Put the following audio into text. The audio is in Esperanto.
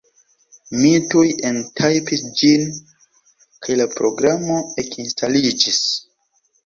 Mi tuj entajpis ĝin, kaj la programo ekinstaliĝis.